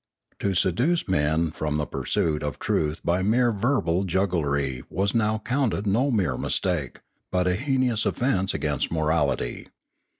To seduce men from the pursuit of truth by mere verbal jugglery was now counted no mere mistake, but a heinous offence against morality.